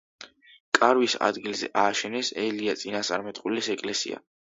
კარვის ადგილზე ააშენეს ელია წინასწარმეტყველის ეკლესია.